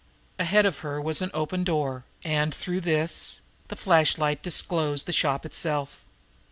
Ahead of her was an open door, and, through this, the flashlight disclosed the shop itself.